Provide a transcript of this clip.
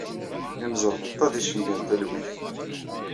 Imẓerbeḍḍa d icenga n talwit.